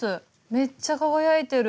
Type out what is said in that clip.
めっちゃ輝いてる。